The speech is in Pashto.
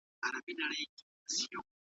مخ په سړو اوبو پریمنځئ.